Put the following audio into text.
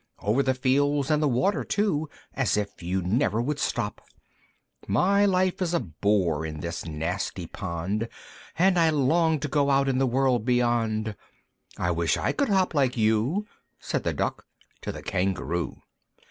Over the fields and the water too, As if you never would stop! My life is a bore in this nasty pond, And I long to go out in the world beyond! I wish I could hop like you!" Said the Duck to the Kangaroo.